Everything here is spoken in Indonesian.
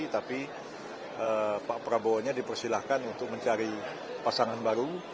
tapi pak prabowo nya dipersilahkan untuk mencari pasangan baru